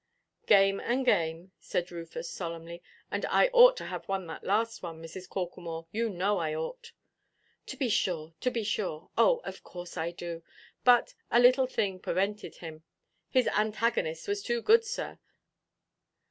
"Game and game," said Rufus, solemnly, "and I ought to have won that last one, Mrs. Corklemore; you know I ought." "To be sure, to be sure. Oh, of course I do. But—a little thing perwented him—his antagonist was too good, sir.